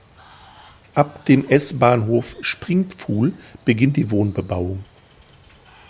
Ab dem S-Bahnhof Springpfuhl beginnt die Wohnbebauung.